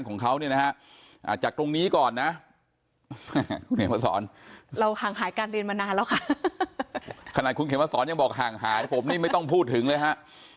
ของคุณเขมสอนยังบอกห่างหายผมนี่ไม่ต้องพูดถึงเลยฮะ